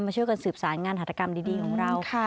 ช่วยกันสืบสารงานหัตกรรมดีของเรา